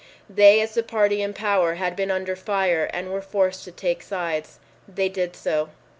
They as the party in power had been under fire and were forced to take sides. They did so.